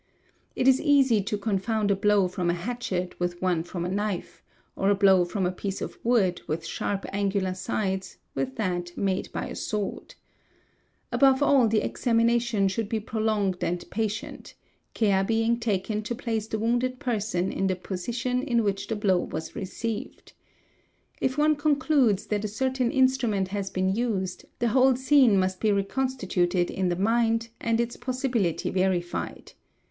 It is easy to confound a blow from a hatchet with one from a knife, or a blow from a piece of wood with sharp angular sides with that made by a sword. Above all the examination should be prolonged 5 and patient; care being taken to place the wounded person in the posi i 'tion in which the blow was received. If one concludes that a certain — instrument has been used, the whole scene must be reconstituted in the a) mind and its possibility verified.